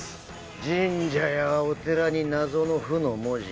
神社やお寺に謎の「不」の文字